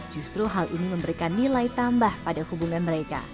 justru hal ini memberikan nilai tambah pada hubungan mereka